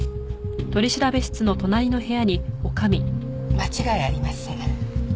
間違いありません。